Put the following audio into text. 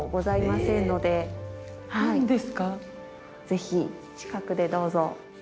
ぜひ近くでどうぞ。